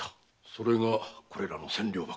それがこれらの千両箱。